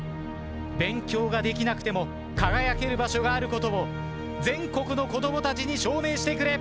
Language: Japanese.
勉強ができなくても輝ける場所があることを全国の子供たちに証明してくれ。